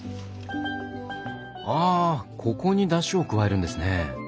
あここにだしを加えるんですね。